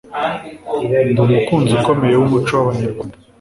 Ndi umukunzi ukomeye wumuco wabanyamerika.